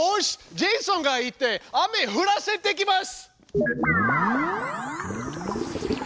ジェイソンが行って雨降らせてきます。